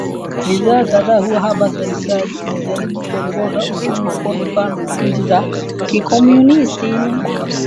bidhaa kadhaa kuwa haba serikali ilijaribu kuongoza uchumi kwa mfano wa nchi za kikomunisti